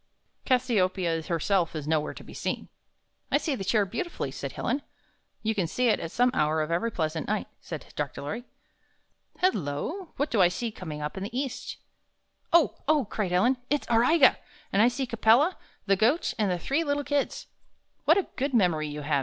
Cassiopeia herself is nowhere to be seen." 55 "I see the chair beautifully/' said Helen. ''You can see it at some hour of every pleasant night," said Dr. Lorry. ''Hello! what do I see coming up in the east?" "Oh, oh!" cried Helen, "it's Auriga! And I see Capella, the Goat, and the three little Kids." "What a good memory you have!"